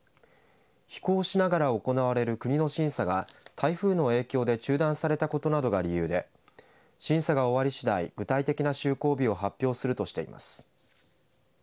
飛行しながら行われる国の審査が台風の影響で中断されたことなどが理由で審査が終わりしだい具体的な就航日を発表するとしています。